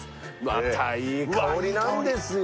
またいい香りなんですよ